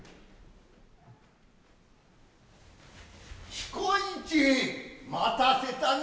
彦市待たせたな。